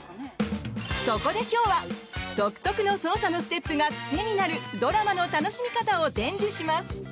そこで今日は独特の捜査のステップが癖になるドラマの楽しみ方を伝授します。